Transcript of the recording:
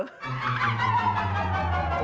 ya ini berhasil